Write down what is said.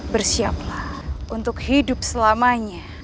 bersiaplah untuk hidup selamanya